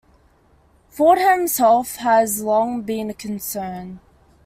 Fordham's health has long been a concern.